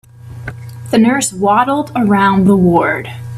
The nurse waddled around the ward.